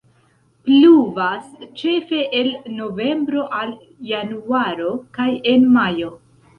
Pluvas ĉefe el novembro al januaro kaj en majo.